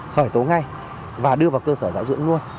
khởi tố ngay và đưa vào cơ sở giáo dưỡng luôn